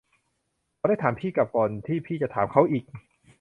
เค้าได้ถามพี่กลับ ก่อนที่พี่จะถามเค้าอีก